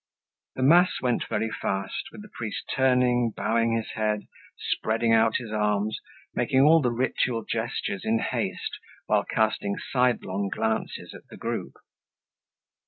The mass went very fast, with the priest turning, bowing his head, spreading out his arms, making all the ritual gestures in haste while casting sidelong glances at the group.